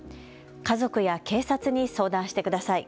家族や警察に相談してください。